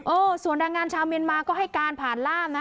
ส่วนแรงงานชาวเมียนมาก็ให้การผ่านล่ามนะ